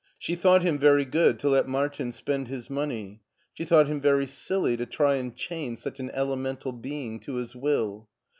She thought him very good to let Martin spend his money; she thought him very silly to try and chain such an ele mental being to his will.